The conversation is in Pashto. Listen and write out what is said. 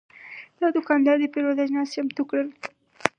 دا دوکاندار د پیرود اجناس چمتو کړل.